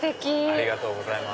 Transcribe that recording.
ありがとうございます。